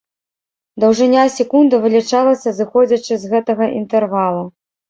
Даўжыня секунды вылічалася зыходзячы з гэтага інтэрвалу.